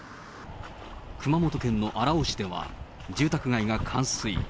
熊本県の荒尾市では、住宅街が冠水。